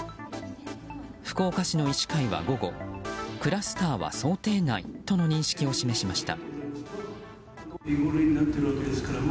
福岡市の医師会は午後クラスターは想定内との認識を示しました。